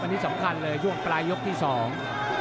อันนี้สำคัญเลยช่วงปลายยกที่สอง